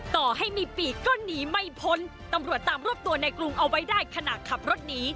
ต่อให้มีปีกก็หนีไม่พ้นตำรวจตามรวบตัวในกรุงเอาไว้ได้ขณะขับรถหนี